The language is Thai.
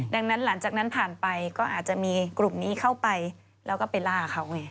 ดังนั้นหลังจากนั้นผ่านไปก็อาจจะมีกลุ่มนี้เข้าไปแล้วก็ไปล่าเขาไง